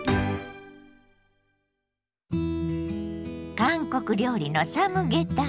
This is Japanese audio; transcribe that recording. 韓国料理のサムゲタン。